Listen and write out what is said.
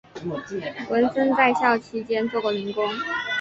文森在校期间做过零工。